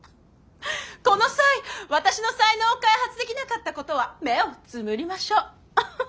この際私の才能を開発できなかったことは目をつむりましょう。